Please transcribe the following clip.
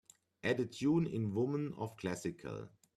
add a tune in women of classical